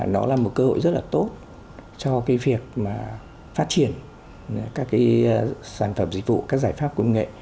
nó là một cơ hội rất là tốt cho việc phát triển các sản phẩm dịch vụ các giải pháp công nghệ